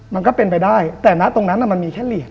มันก็เป็นไปได้แต่ณตรงนั้นมันมีแค่เหรียญ